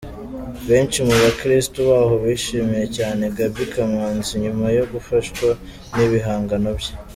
Benshi mu bakristo baho bishimiye cyane Gaby Kamanzi nyuma yo gufashwa n’ibihangano bye.